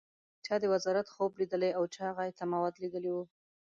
چا د وزارت خوب لیدلی او چا غایطه مواد لیدلي و.